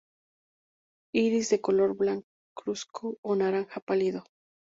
Iris de color blancuzco o naranja pálido.